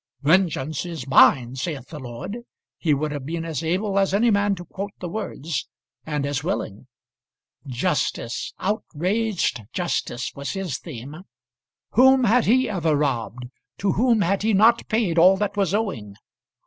"Vengeance is mine, saith the Lord." He would have been as able as any man to quote the words, and as willing. Justice, outraged justice, was his theme. Whom had he ever robbed? To whom had he not paid all that was owing?